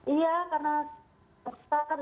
iya karena kita ingin ini cepat berlalu